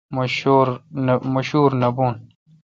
مہ شور نہ بھون